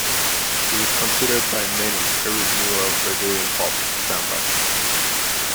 He is considered by many a renewer of Brazilian pop samba.